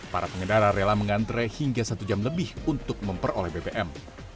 para pengendara rela mengantre hingga satu jam lebih untuk memperoleh bbm